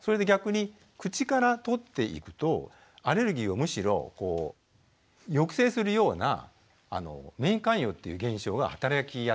それで逆に口からとっていくとアレルギーをむしろ抑制するような免疫寛容っていう現象が働きやすくなるんです。